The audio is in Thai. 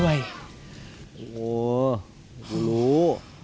โอ้ยไม่รู้